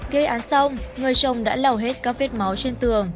kế án xong người chồng đã lào hết các viết máu trên tường